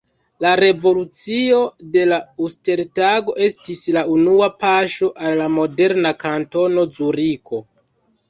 La revolucio de la Uster-Tago estis la unua paŝo al la moderna Kantono Zuriko.